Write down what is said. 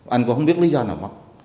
anh có không biết lý do nào mất